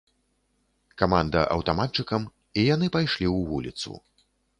Каманда аўтаматчыкам, і яны пайшлі ў вуліцу.